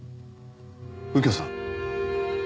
右京さん。